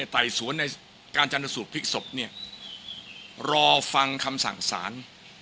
ไต่สวนในการชาญสูตรพิกษพรอฟังคำสั่งศาล